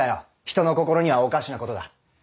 人の心にはおかしなことが。